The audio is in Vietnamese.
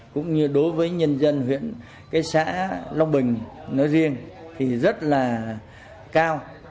cũng như đối với nhân dân huyện cái xã long bình nói riêng thì rất là cao